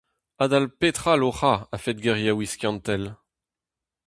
Adal petra loc'hañ a-fed geriaouiñ skiantel ?